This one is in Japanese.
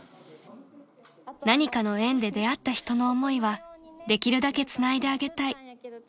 ［何かの縁で出会った人の思いはできるだけつないであげたい］